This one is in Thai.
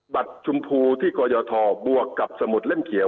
ชมพูที่กรยทบวกกับสมุดเล่มเขียว